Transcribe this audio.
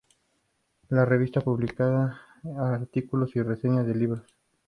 La revista publica artículos y reseñas de libros.